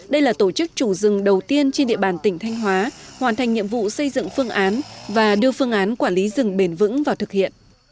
đây là tổ chức chủ rừng đầu tiên trên địa bàn tỉnh thanh hóa hoàn thành nhiệm vụ xây dựng phương án và đưa phương án quản lý rừng bền vững vào thực hiện